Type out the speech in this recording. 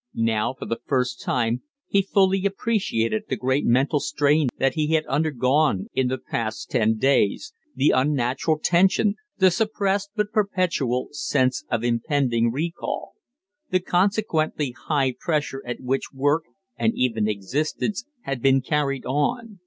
Now, for the first time, he fully appreciated the great mental strain that he had undergone in the past ten days the unnatural tension; the suppressed, but perpetual, sense of impending recall; the consequently high pressure at which work, and even existence, had been carried on.